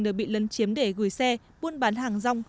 đã bị lấn chiếm để gửi xe buôn bán hàng rong